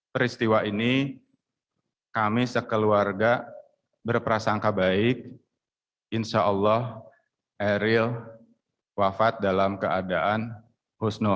peristiwa ini kami sekeluarga berprasangka baik insya allah eril wafat dalam keadaan husnul